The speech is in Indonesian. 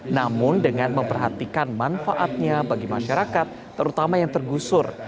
namun dengan memperhatikan manfaatnya bagi masyarakat terutama yang tergusur